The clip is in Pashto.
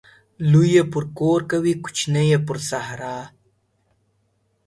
لوى يې پر کور کوي ، کوچنى يې پر سارا.